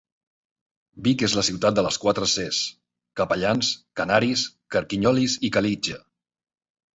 Vic és la ciutat de les quatre ces: capellans, canaris, carquinyolis i calitja.